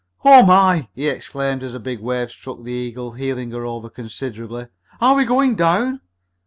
"Oh, my!" he exclaimed as a big wave struck the Eagle, heeling her over considerably. "Are we going down?"